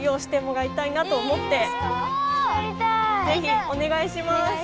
ぜひお願いします！